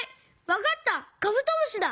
わかったカブトムシだ！